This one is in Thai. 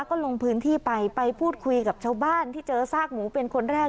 ก็ลงพื้นที่ไปไปพูดคุยกับชาวบ้านที่เจอซากหมูเป็นคนแรก